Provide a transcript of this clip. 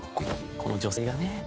この女性がね。